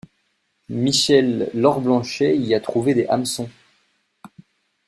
Michel Lorblanchet y a trouvé des hameçons.